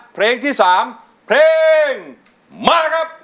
เพลงที่๓เพลงมาครับ